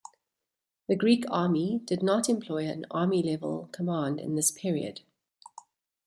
The Greek Army did not employ an army-level command in this period.